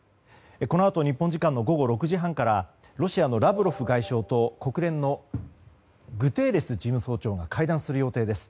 このあと日本時間の６時半からロシアのラブロフ外相と国連のグテーレス事務総長が会談する予定です。